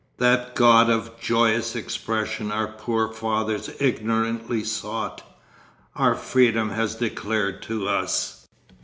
That god of joyous expression our poor fathers ignorantly sought, our freedom has declared to us....